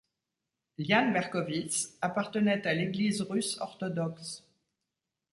Liane Berkowitz appartenait à l'Église russe orthodoxe.